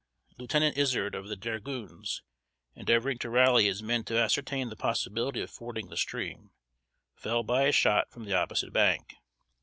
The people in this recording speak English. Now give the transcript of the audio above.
Lieutenant Izard of the dragoons, endeavoring to rally his men to ascertain the possibility of fording the stream, fell by a shot from the opposite bank.